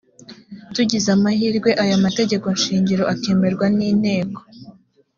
tugize amahirwe aya mategeko shingiro akemerwa n’inteko